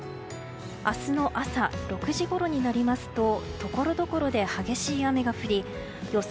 明日の朝６時ごろになりますとところどころで激しい雨が降り予想